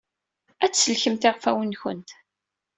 Ad tsellkemt iɣfawen-nwent.